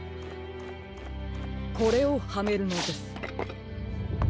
これをはめるのです。